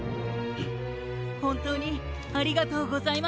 ほんとうにありがとうございます。